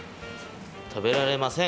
たべられません。